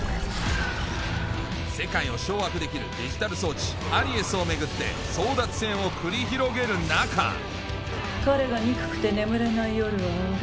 世界を掌握できるデジタル装置「アリエス」を巡って争奪戦を繰り広げる中彼が憎くて眠れない夜はある？